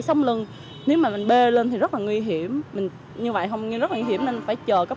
cổ nếu mà mình bê lên thì rất là nguy hiểm như vậy không nên rất là nguy hiểm nên phải chờ cấp